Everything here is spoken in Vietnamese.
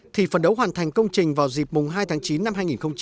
thì phần đấu hoàn thành công trình vào dịp mùng hai tháng chín năm hai nghìn hai mươi năm